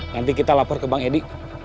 nanti kita lapor ke bang edi